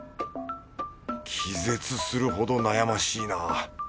気絶するほど悩ましいなぁ。